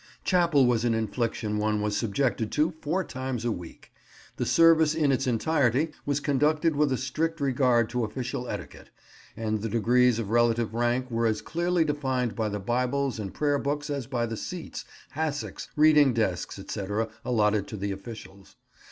Chapel was an infliction one was subjected to four times a week. The service in its entirety was conducted with a strict regard to official etiquette, and the degrees of relative rank were as clearly defined by the Bibles and prayer books as by the seats, hassocks, reading desks, etc., allotted to the officials.